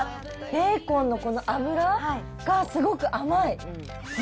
ベーコンのこの脂がすごく甘い。